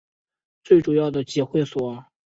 最主要的集会所